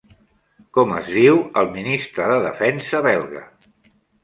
Com es diu el ministre de Defensa belga?